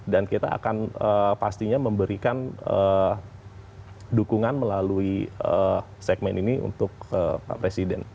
dan kita akan pastinya memberikan dukungan melalui segmen ini untuk pak presiden